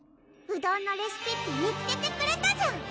うどんのレシピッピ見つけてくれたじゃん！